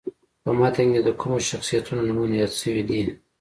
په متن کې د کومو شخصیتونو نومونه یاد شوي دي.